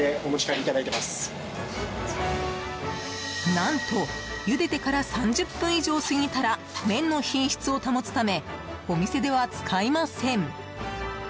何とゆでてから３０分以上過ぎたら麺の品質を保つためお店では使いません。